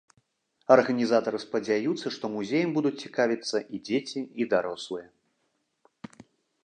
Арганізатары спадзяюцца, што музеем будуць цікавіцца і дзеці, і дарослыя.